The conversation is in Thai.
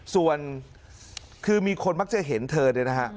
ส่วนคือมีคนมักจะเห็นเธอเนี่ยนะฮะ